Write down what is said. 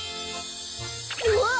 うわっ！